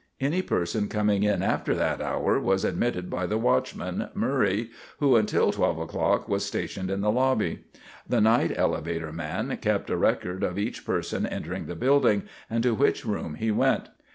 Any person coming in after that hour was admitted by the watchman, Murray, who until 12 o'clock was stationed in the lobby. The night elevator man kept a record of each person entering the building and to which room he went.